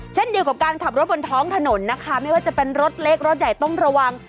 เช่นเดียวกับการขับรถบนท้องถนนนะคะไม่ว่าจะเป็นรถเล็กรถใหญ่ต้องระวัง